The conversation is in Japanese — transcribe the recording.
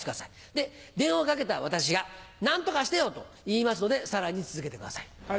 で電話をかけた私が「何とかしてよ」と言いますのでさらに続けてください。